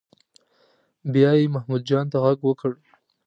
بیا یې محمود جان ته غږ وکړ.